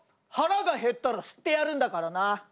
腹が減ったら吸ってやるんだからな。